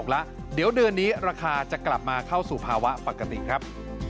ราคาจะกลับมาเข้าสู่ภาวะปกติครับ